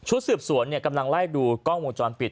ชุดสืบสวนเนี่ยกำลังไล่ดูกล้องวงจรปิด